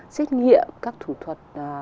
xét nghiệm các thủ thuật